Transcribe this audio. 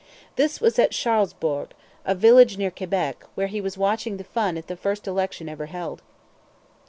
This was at Charlesbourg, a village near Quebec, where he was watching the fun at the first election ever held.